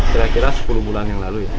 kira kira sepuluh bulan yang lalu ya